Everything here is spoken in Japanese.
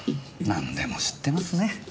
何でも知ってますね。